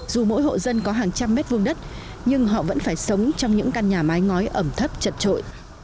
dù mỗi hộ dân có hàng trăm mét vuông đất nhưng họ vẫn phải sống trong những căn nhà mái ngói ẩm thấp chật trội